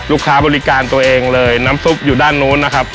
บริการตัวเองเลยน้ำซุปอยู่ด้านนู้นนะครับ